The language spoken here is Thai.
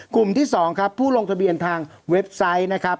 กลุ่มที่๒ครับผู้ลงทะเบียนทางเว็บไซต์นะครับ